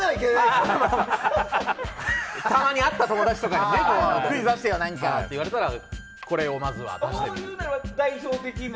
たまに会った友達とかにクイズ出してよ何かって言われたらこれをまずは出してる。